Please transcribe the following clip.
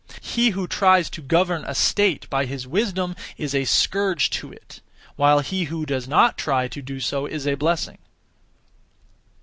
He who (tries to) govern a state by his wisdom is a scourge to it; while he who does not (try to) do so is a blessing.